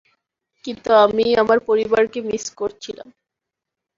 কিন্তু আমি আমার পরিবারকে মিস করছিলাম।